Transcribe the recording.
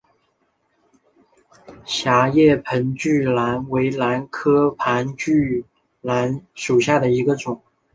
狭叶盆距兰为兰科盆距兰属下的一个种。